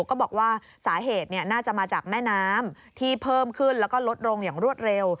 ก็บอกว่าสาเหตุน่าจะมาจากแม่น้ำที่เพิ่มขึ้นแล้วก็ลดลงอย่างรวดเร็ว